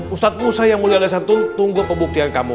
ustaz musa yang mulia dan santun tunggu kebuktian kamu